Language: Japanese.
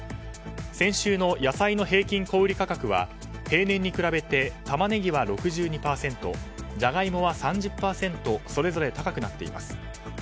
先週の野菜の平均小売価格は平年に比べてタマネギは６２％ジャガイモは３０％それぞれ高くなっています。